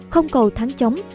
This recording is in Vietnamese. không cầu thắng chống